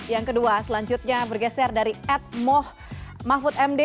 yang kedua selanjutnya bergeser dari ed moh mahfud md